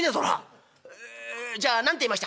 えじゃあ何て言いました？